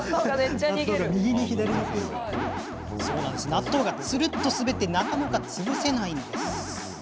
納豆が、つるっとすべってなかなか潰せません。